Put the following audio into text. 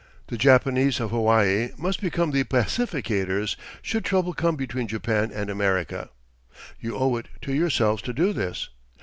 The Japanese of Hawaii must become the pacificators should trouble come between Japan and America.... You owe it to yourselves to do this.